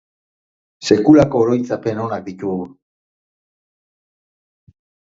Sekulako oroitzapen onak ditugu.